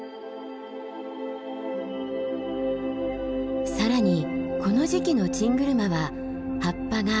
更にこの時期のチングルマは葉っぱが赤く色づきます。